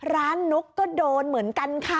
นุ๊กก็โดนเหมือนกันค่ะ